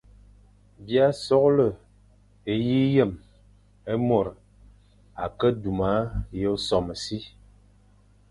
B î a soghle e yi yem é môr a ke duma yʼé sôm si,